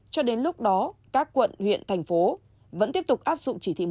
cho đến lúc đó các quận huyện thành phố vẫn tiếp tục áp dụng chỉ thị một mươi